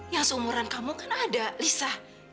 yang seumuran kamu kan ada lisa